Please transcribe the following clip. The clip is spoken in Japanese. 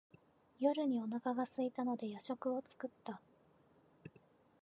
夜にお腹がすいたので夜食を作った。